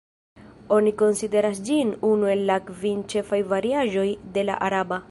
Oni konsideras ĝin unu el la kvin ĉefaj variaĵoj de la araba.